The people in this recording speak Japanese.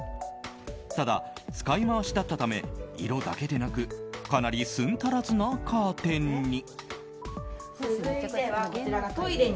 ただ、使い回しだったため色だけでなくかなり寸足らずなカーテンに。